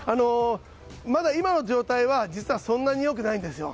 まだ今の状態は実はそんなに良くないんですよ。